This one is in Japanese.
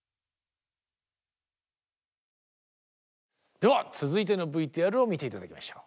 では続いてのＶＴＲを見て頂きましょう。